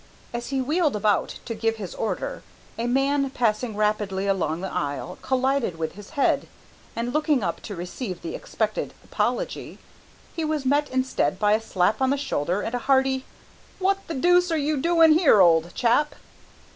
As he wheeled about to give his order, a man passing rapidly along the aisle collided with his head, and looking up to receive the expected apology, he was met instead by a slap on the shoulder and a hearty, "What the deuce are you doing here, old chap?"